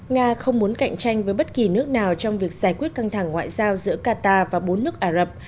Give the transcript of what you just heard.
nga không muốn cạnh tranh với bất kỳ nước nào trong việc giải quyết căng thẳng ngoại giao giữa qatar và bốn nước ả rập